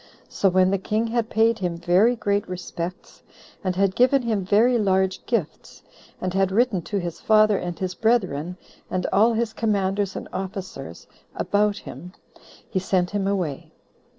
So when the king had paid him very great respects, and had given him very large gifts, and had written to his father and his brethren, and all his commanders and officers, about him, he sent him away.